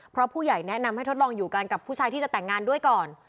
เพราะผู้ใหญ่แนะนำให้ทดลองอยู่กันกับผู้ชายที่จะแต่งงานด้วยก่อน